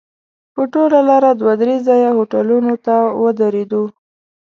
په ټوله لاره دوه درې ځایه هوټلونو ته ودرېدو.